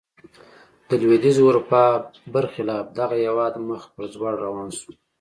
د لوېدیځې اروپا برخلاف دغه هېواد مخ پر ځوړ روان شو.